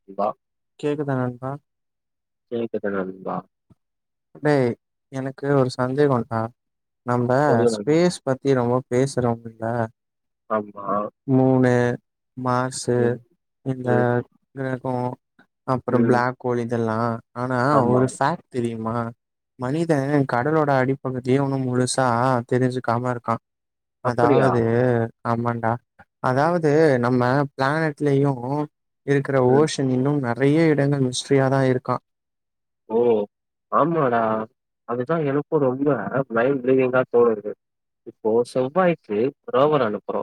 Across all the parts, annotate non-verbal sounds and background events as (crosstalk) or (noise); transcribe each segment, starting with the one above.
(inaudible) கேக்குதா நண்பா (unintelligible) டேய் எனக்கு ஒரு சந்தேகண்டா நம்ம சொல்லு நண் ஸ்பேஸ் பத்தி அவங்க பேசுறோம்ல்ல ஆமா மூணு மாசு ம் இந்த ம் க்ரகோ அப்புறம் ம் பிளாக் ஹோல் இதெல்லா ஆனா ஆமா ஒரு ஃபாக்ட் தெரியும் ம மனித கடலோட அடிப்பகுதியு இன்னு முழுசா தெரிஞ்சுக்காம இருக்கா அப்படியா அதாவது ஆமான்டா அதாவது நம்ம பிளானட்லயு இருக்கற ம் ஓஷன் இன்னும் நெறைய இடங்கள் மிஸ்ட்ரியா தா இருக்கா ஓ ஆமாடா அதுதா எனக்கு ரொம்ப மைண்ட் ரீவிங்கா தோணுது இப்ப செவ்வாய்க்கு ப்ரோவர் அனுப்புறோ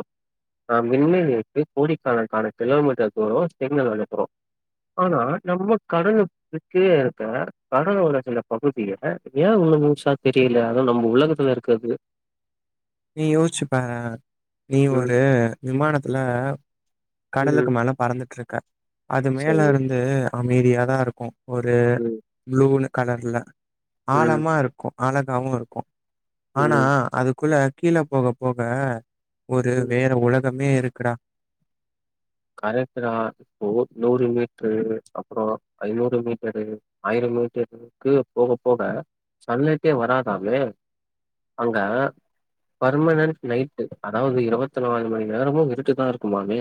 ஆ விண்வெளிக்கு கோடிக்கணக்கான கிலோமீட்டர் தூரோ சிக்னல் அனுப்புறோ ஆனா நம்ம கடகத்துக்கு இப்ப கடலோர சில பகுதியில ஏ ஒண்ணு முழுசா தெரியல அத நம்ம உலகத்துல இருக்கிறது நீ யோசிச்சுப்பாரே நீ ஒரு ம் விமானத்தில ம் கடலுக்கு மேல பறந்துட்டு இருக்க அது மேல சரி இருந்து அமைதியாதா இருக்கு ஒரு ம் ப்ளூன்னு கலர்ல ம் ஆழமா இருக்கு அழகாகவு இருக்கு ஆனா ம் அதுக்குள்ள கீழ போக போக ஒரு ம் வேற உலகமே இருக்குடா கரெக்ட்தா நூ நூறு மீட்டரு அப்புற ஐநூறு மீட்டரு ஆயிர மீட்டரு க்கு போக போக சன்லைட்டே வராதாமே அங்க பர்மனன்ட் நைட்டு அதாவது இருவத்தி நாலு மணி நேரமு இருட்டு தா இருக்குமாமே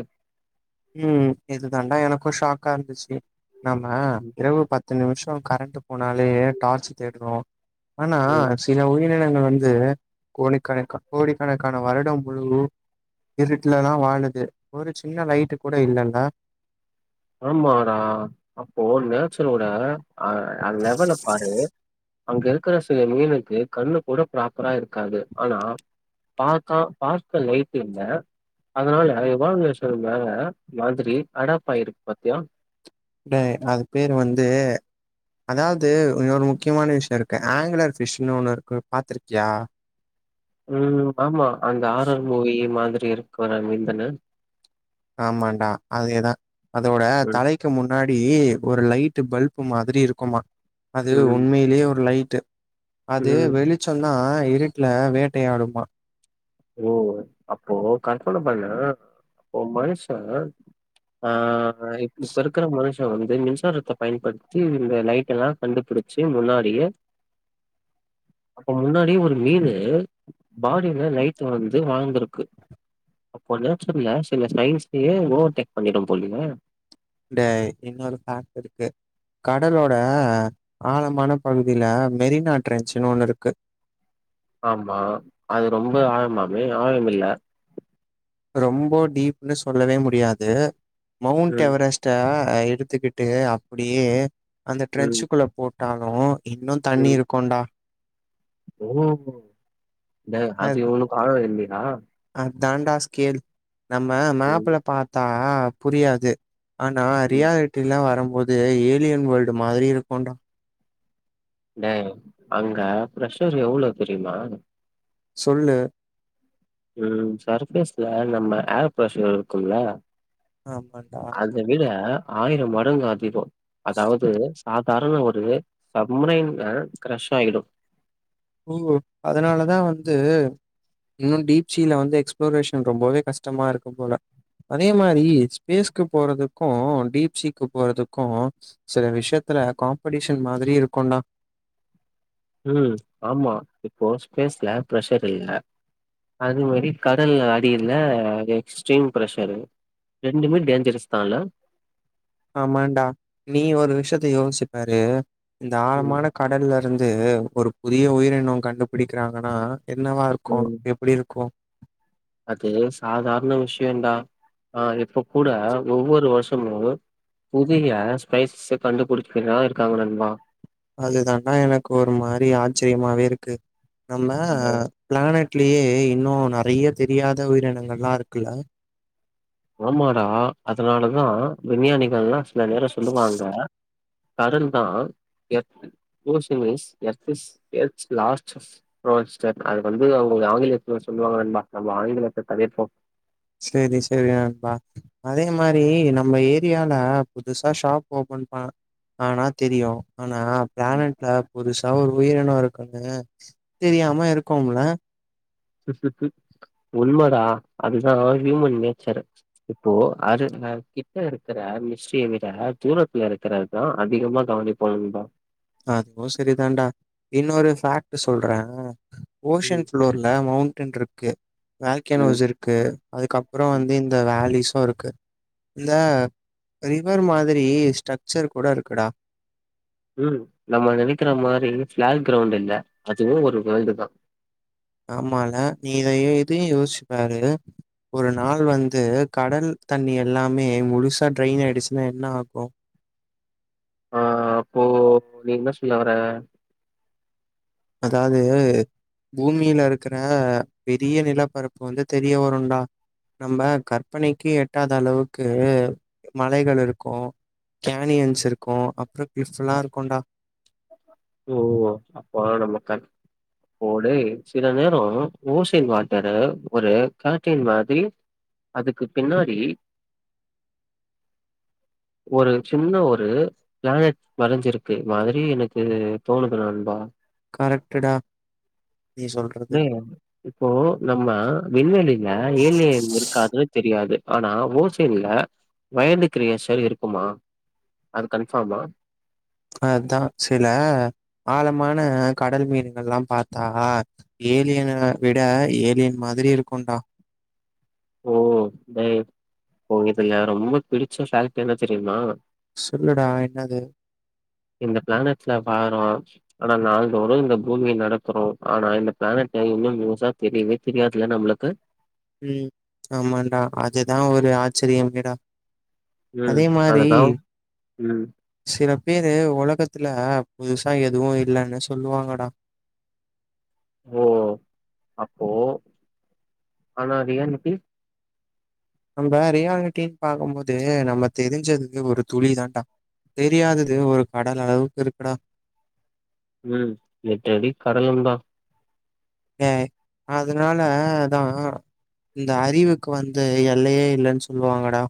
ம் இது தாண்டா எனக்கு ஷாக்கா இருந்துச்சு நம்ம ம், இரவு பத்து பத்து நிமிஷோ கரண்ட் போனாலே டார்ச் தேட்றோ ஆனா ம். சில உயிர் (unintelligible) வந்து கோடிக்கணக்க கோடிக்கணக்கான வருடம் முழு இருட்டுலதா வாழுது ஒரு சின்ன லைட்டு கூட இல்லல்ல ஆமாடா அப்போ நேச்சரோட அ லெவல பாரு அங்க இருக்கிற சில மீனுக்கு கண்ணு கூட ப்ராப்பரா இருக்காது ஆனா பாக்கா பாக்க லைட்டு இல்ல அதனால எவாலுரேஷன் மேல மாரி அடாப்பாயிருக்கு பாத்தியா டேய் அது பேரு வந்து அதாவது இன்னொரு முக்கியமான விஷயோ இருக்கு ஆங்குலர் ஃபிஷ்னுு ஒன்னு இருக்கு பாத்துருக்கியா ம் ஆமா அந்த ஆரர் மூவி மாதிரி இருக்கிற மீன்தான ஆமான்டா அதேதா அதோட ம், தலை க்கு முன்னாடி ஒரு லைடு பல்ப் மாரி இருக்குமா அது ம், உண்மையிலயே ஒரு லைட்டு அது ம். வெளி சொன்னா இருட்டுல வேட்டையாடுமா ஓ அப்போ கற்பன பண்ண அப்போ மனுஷ ஆ இப்ப இருக்கிற மனுஷ வந்து மின்சாரத்த பயன்படுத்தி இந்த லைட்டெல்லா கண்டுபிடிச்சு முன்னாடியே (inaudible) அப்ப முன்னாடியே ஒரு மீனு பாடியில லைட் அது வந்து வாங்கறக்கு அப்போ (unintelligible) சில சயின்ஸ்லயே ஓவர்டேக் பண்ணிடு போலயே டேய் இன்னொரு (unintelligible) இருக்கு கடலோட ஆழமான பகுதில மெரினா ட்ரெச்சுன்னு ஒண்ணு இருக்கு ஆமா அது ரொம்ப ஆழமாமே ஆழம் இல்ல ரொம்போ டீப்ன்னு சொல்லவே முடியாது மவுண்ட் ம், எவரெஸ்ட் த எடுத்துக்கிட்டு அப்படியே அந்த ம், ட்ரெஞ்சுக்குள்ள போட்டாலு இன்னு தண்ணி ம். இருக்குன்டா ஓ என்ன (unintelligible) அதாண்டா ஸ்கேல் நம்ம ம், மேப்ல பாத்தா புரியாது ஆனா ம். ரியாலிட்டிலா வரும்போது ஏலியன் வேல்டு மாரி இருக்குடா டேய் அங்க பிரஷர் எவ்வளோ தெரிமா சொல்லு ம் சர்ஃபேஸ்ல நம்ம ஏர் ப்ரஷர் இருக்கும்ல ஆமான்டா அத விட ஆயிரோ மடங்கு அதிகோ அதாவது சாதாரண ஒரு சம்ரைன் அ க்ரஷ் ஆய்டு ஓ அதனாலதா வந்து இன்னு டீப்சில வந்து எக்ஸ்ப்ளோரேஷன் ரொம்பவே கஷ்டமா இருக்கு போல அதே மாரி ஸ்பேஸ்க்கு போறதுக்கு டீப் சீக்கு போறதுக்கு சில விஷயத்துல காம்படிஷன் மாதிரி இருக்குன்டா ம் ஆமா இப்போ ஸ்பேஸ்ல ப்ரஷர் இல்ல அது மாரி கடல் அடில அது எக்ஸ்ட்ரீம் ப்ரெஷரு ரெண்டுமே டேஞ்சரஸ் தா இல்ல ஆமாண்டா நீ ஒரு விஷயத்த யோசிச்சிப்பாரு இந்த ம் ஆழமான கடல்ல இருந்து ஒரு புதிய உயிரினோ கண்டுபிடிக்கறாங்கனா என்னவா இருக் கோ ம் எப்படி இருக்கு அது சாதாரண விஷ்யோடா ஆ இப்ப கூட ஒவ்வொரு வருஷமு புதிய ஸ்பேஸஸ்ஸ கண்டுபுடிச்சுட்டு தா இருக்காங்க நண்பா அதுதான்டா எனக்கு ஒரு மாரி ஆச்சரியமாவே இருக்கு நம்ம பிளானெட்லயே இன்னு நறைய தெரியாத உயிரினங்கள்லா இருக்குல்ல ஆமாடா அதனாலதா விஞ்ஞானிகள்லா சில நேரோ சொல்லுவாங்க கடன்தா எத் portion wise earth is earth லாஸ்ட்டஸ் ரோல்ஸ்ட்டர் அது வந்து அவுங்க ஆங்கிலத்துல சொல்லுவாங்க நண்பா நம்ம ஆங்கிலத்த தவிர்ப்போ சேரி சேரி நண்பா அதே மாரி நம்ம ஏரியால புதுசா ஷாப் ஓபன் பண் ஆனா தெரியு ஆனா பிளானட்ல புதுசா ஒரு உயிரினோ இருக்குன்னு தெரியாம இருக்கோம்ல உண்மதா அதுதா ஹியூமன் நேச்சரு இப்போ அதுக கிட்ட இருக்கற மிஸ்ட்ரிய விட தூரத்துல இருக்கற யா அதிகமா கவனிப்பாணுந்தா அதுவு செரிதாண்டா இன்னொரு ஃபேக்ட் சொல்ற ஓஷன் ம் ப்ளோர்ல மவுண்டெய்ன் இருக்கு ம் வேல்கனோஸ் இருக் க்கு அதுக்கப்பறோ ம் வந்து இந்த வேலிஸு இருக்கு இந்த ரிவர் மாதிரி ஸ்ட்ரக்சர் கூட இருக்குடா ம் நம்ம நெனக்கிற மாரி ஃப்ளாட் கிரௌண்டு இல்ல அதுவு ஒரு வேல்டு தா ஆமால நீ இதையு இதையு யோசிச்சு பாரு ஒரு நாள் வந்து கடல் தண்ணி எல்லாமே முழுசா ட்ரெய்ன் ஆயிடுச்சுன்னா என்ன ஆகு ஆ அப்போ நீ என்ன சொல்ல வர அதாது பூமியில இருக்குற பெரிய நிலப்பரப்பு வந்து தெரிய வருடா நம்ம கற்பனைக்கு எட்டாத அளவுக்கு மலைகள் இருக்கும் கேனியன்ஸ் இருக்கும் அப்புறம் கிளிஃபுல்லா இருக்குண்டா ஓ அப்போ ஆன மக்கான் போடே சில நேரோ ஓசின் வாட்டர ஒரு கர்டைன் மாதிரி அதுக்கு பின்னாடி (inaudible) ஒரு சின்ன ஒரு பிளானட் மறைஞ்சிருக்கு மாதிரி எனக் இது தோணுது நண்பா கரெக்டு டா நீ சொல்றது டே இப்போ நம்ம விண்வெளில ஏலியன் இரு காதுன்னு தெரியாது ஆனா ஓசின்ல வயந்து கிரியேஷன் இருக்குமா அது கன்ஃபாமா அதான் சில ஆழமான கடல் மீன்கள்லாம் பாத்தா ஏலியன விட ஏலியன் மாதிரி இருக்கும்டா ஓ டேய் இதுல ரொம்ப பிடிச்ச ஷர்ட் என்ன தெரியுமா சொல்லுடா என்னது இந்த பிளானட்ஸ்ல பாரோ ஆனா நாள்தோறு இந்த பூமிய நடக்குறோ ஆனா இந்த பிளானட்ட இன்னு நியூஸா தெரியவே தெரியாதுல நம்மளுக்கு ம் ஆமான்டா அதுதான் ஒரு ஆச்சரியமேடா ம் அதே மாரி அதுதா ம் சில பேரு ஒலகத்துல புதுசா எதுவு இல்லன்னு சொல்லுவாங்கடா ஓ அப்போ ஆனா ஈது ஏன் க்கி நம்ம ரியாலிட்டின்னு பாக்கும் போது நம்ம தெரிஞ்சதுக்கு ஒரு துளி தான்டா தெரியாதது ஒரு கடல் அளவுக்கு இருக்குடா உம் நெட்டடி கடலுந்தா ஏ அதனால அதா இந்த அறிவுக்கு வந்து எல்லையே இல்லன்னு சொல்லுவாங்கடா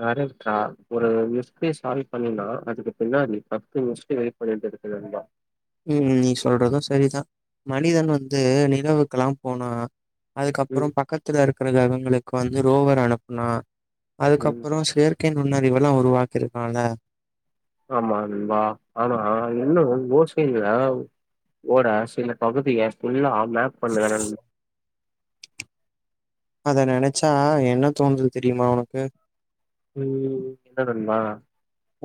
கரெக்டா ஒரு மிஸ்ட்ரிய சால்வ் பண்ணினா அதுக்கு பின்னாடி பத்து மிஸ்ட்ரி வெயிட் பண்ணிட்டு இருக்கு நண்பா ம் நீ சொல்றது சரி தா மனிதன் வந்து நிலவுக்கெல்லா போனா அதுக்கப்புற ம் பக்கத்துல இருக்கிற கிரகங்களுக்கு வந்து ரோவர் அனுப்புனா ம் அதுக்கப்புறம் செயற்கை நுண்ணறிவுலா உருவாக்கிருக்கோல ஆமா நண்பா ஆனா இன்னு ஓசைல ஓட சில பகுதிய ஃபுல்லா மேப் பண்ணிக்கறானுக அத நினைச்சா என்ன தோணுது தெரியுமா உனக்கு ம் என்ன நண்பா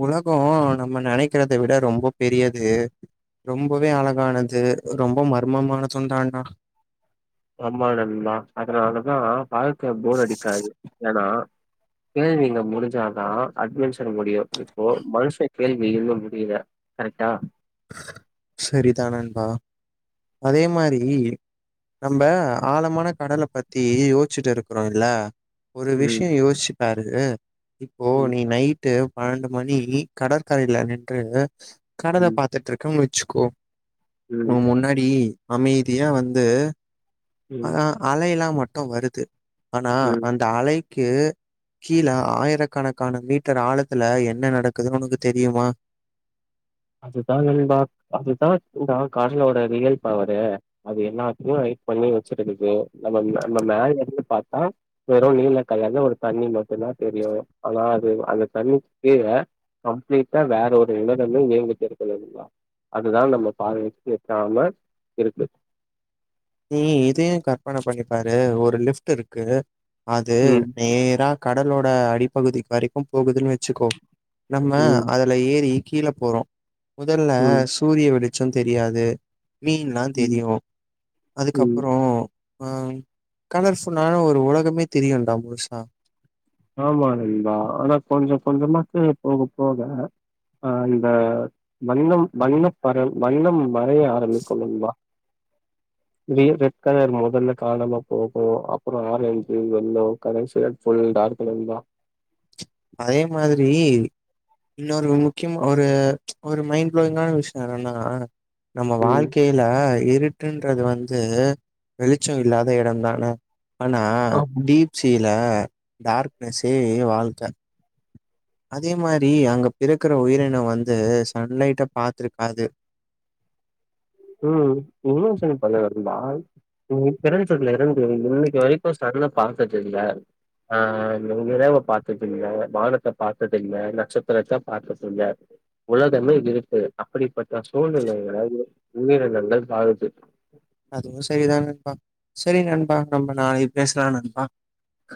உலக நம்ம நினைக்கிறத விட ரொம்ப பெரியது ரொம்பவே அழகானது ரொம்ப மர்மமானது தான்டா ஆமா நண்பா அதனாலதான் வாழ்க்கை போர் அடிக்காது ஏன்னா கேள்விங்க முடிஞ்சாதா அட்வெஞ்சர் முடியு இப்போ மனுஷ கேள்வி இன்னு முடியல கரெட்டா சரிதான் நண்பா அதே மாறி நம்ம ஆழமான கடல பத்தி யோசிச்சுட்டு இருக்கிறோ இல்ல ஒரு ம், விஷய யோசிச்சுப்பாரு இப்போ ம், நீ நைட் ட்டு பன்னெண்டு மணி கடற்கரையில நின்று கடல ம், பாத் த்துட்ருக்க வச்சுக்கோ உ ம், முன்னாடி அமைதியா வந்து ம், ஆனா அலை எல்லா மட்டு வருது ஆனா ம். அந்த அலை கு கீழ ஆயிரக்கணக்கான மீட்டர் ஆழத்துல என்ன நடக்குதுன்னு உனக்கு தெரியுமா அதுதான்பா அதுதா இந்தா கடலோட ரியல் பவரே அது எல்லாத்தையு ஹைட் பண்ணி வச்சிருக்குது நம்ம நம்ம மேலந்து பாத்தா வெறு நீல கலர்ல்ல ஒரு தண்ணி மட்டு தா தெரியு ஆனா அது அந்த தண்ணிக் கீழ கம்ப்லீட்டா வேற ஒரு (unintelligible) ஏ க்கணுங்களா அதுதா நம்ம பார்வை வெக் வெக்காம இருக்கு நீ இதையு கற்பன பண்ணிப்பாரு ஒரு லிஃப்ட்டு இருக்குது அது ம் நேரா கடலோட அடிப்பகுதிக் வரைக்கு போகுதுன் வெச்சுக்கோ நம்ம ம் அத ஏறி கீழ போறோ முதல்ல ம் சூரிய வெளிச்ச தெரியாது மீன்ல்லா ம் தெரியு ம் அதுக்கப்பறோ ஆ கலர்ஃபுல்லான ஒரு உலகமே தெரியுண்டா முழுசா ஆமா நண்பா ஆனா கொஞ்ச கொஞ்சமாக்கு போக போக அ இந்த வண்ணம் வண்ணப்பற வண்ணம் வரைய ஆரம்பிக்கும் நண்பா இதே ரெட் கலர் மொதல்ல கானாமா போகு அப்பற ஆரஞ்சு யெல்லோ கர ரெட் ஃபுல் டார்க் நண்பா அதே மாதிரி இன்னொரு முக்கியம் ஒரு ஒரு மைண்ட் ப்ளோயிங்கான விஷ்யோ என்னன்னா நம்ம ம் வாழ்க்கையில இருட்டுன்றது வந்து வெளிச்ச இல்லாத இடம்தானே ஆனா ஆமா டீப்சியில டார்க்னஸ்ஸே வாழ்க்க அதே மாரி அங்க பிறக்கற உயிரினோ வந்து சன்லைட்ட பா்த்துருக்காது ம் இன்னு சொல் போனா நண்பா நீ பெரஞ்சச்சூர்ல எறங்கு ப்ரோ இன்னைக்கு வரைக்கு சகுல பாத்ததுல்ல ஆ நிலாவ பாத்ததுல்ல வானத்த பாத்ததுல்ல நட்சத்திரத்த பாத்ததுல்ல உலகமே இருட்டு அப்படிப்பட்ட சூழ்நிலைகல்ல இருந்து உயிரினங்கள் வாழுது அதுவு சரிதா நண்பா சரி நண்பா நம்ம நாளைக் பேசலா நண்பா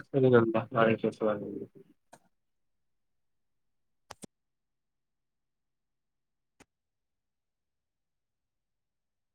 சேரி நண்பா நாளைக்கு பேசலா